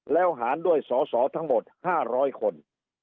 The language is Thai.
แล้วหารด้วยสอสอทั้งหมด๕๐๐คน